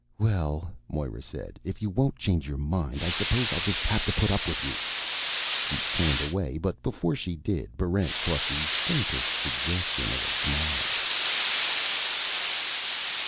"Well," Moera said, "if you won't change your mind, I suppose I'll just have to put up with you." She turned away; but before she did, Barrent caught the faintest suggestion of a smile.